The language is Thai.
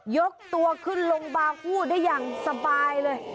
ยกตัวขึ้นลงบางคู่ได้อย่างสบายเลย